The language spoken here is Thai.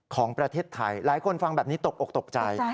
ของประเทศไทยหลายคนฟังแบบนี้ตกอกตกใจ